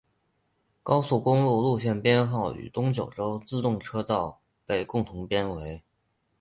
高速公路路线编号与东九州自动车道被共同编为。